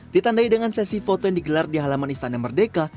ditandai dengan sesi foto yang digelar di halaman istana merdeka